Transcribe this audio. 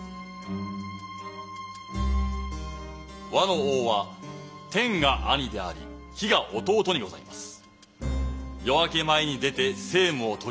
倭の王は天が兄であり日が弟にございます。